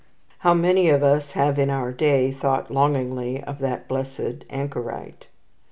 How many of us have in our day thought longingly of that blessed anchorite!